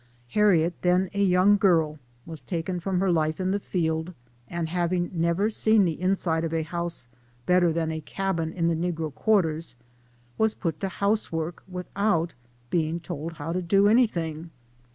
Harriet, then a young girl, was taken from her life in the field, and having never seen the inside of a house better than a cabin in the negro quarters, was put to house work with out being told how to do anything.